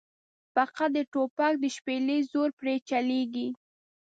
فقط د توپک د شپېلۍ زور پرې چلېږي.